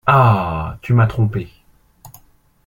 Ah ! tu m’as trompée !